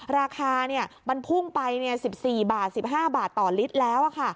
ราคามันพุ่งไป๑๔บาท๑๕บาทต่อลิตรแล้ว